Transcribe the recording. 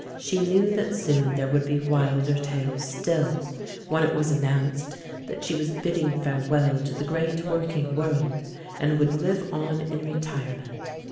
She knew that soon there would be wilder tales still, when it was announced that she was bidding farev. ell to the great working world, and would live on in retirement.